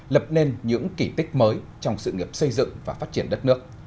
lập nên những kỷ tích mới trong sự nghiệp xây dựng và phát triển đất nước